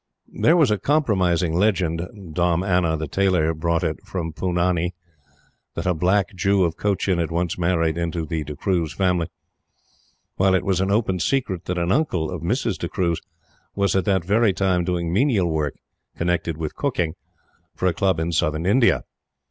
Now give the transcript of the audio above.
There was a compromising legend Dom Anna the tailor brought it from Poonani that a black Jew of Cochin had once married into the D'Cruze family; while it was an open secret that an uncle of Mrs. D'Cruze was at that very time doing menial work, connected with cooking, for a Club in Southern India!